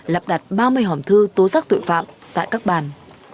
lập đặt ba mươi hòm thư tố giác tội phạm tại các bàn